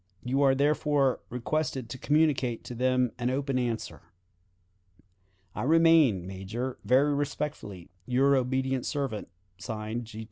You are therefore requested to communicate to them an open answer. "I remain, Major, very respectfully, "Your obedient servant, (Signed) "G. T.